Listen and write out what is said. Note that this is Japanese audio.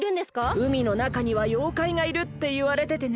うみのなかにはようかいがいるっていわれててね。